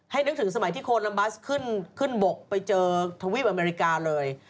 นึกถึงสมัยที่โคลัมบัสขึ้นบกไปเจอทวีปอเมริกาเลย